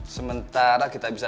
sementara kita bisa